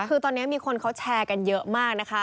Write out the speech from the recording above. คือตอนนี้มีคนเขาแชร์กันเยอะมากนะคะ